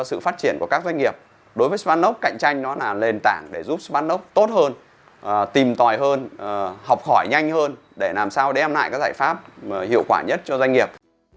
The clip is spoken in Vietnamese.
sự phát triển của các doanh nghiệp đối với smartlock cạnh tranh nó là nền tảng để giúp smartlock tốt hơn tìm tòi hơn học hỏi nhanh hơn để làm sao đem lại các giải pháp hiệu quả nhất cho doanh nghiệp